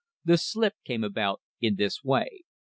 The slip came about in this way.